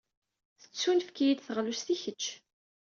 Tettunefk-iyi-d teɣlust i kečč.